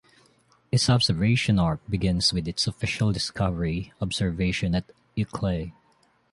Its observation arc begins with its official discovery observation at Uccle.